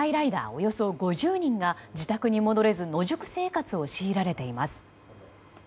およそ５０人が自宅に戻れず野宿生活を強いられています。